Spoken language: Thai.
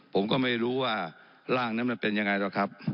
ผมก็ไม่รู้ว่าร่างนั้นมันเป็นยังไงหรอกครับ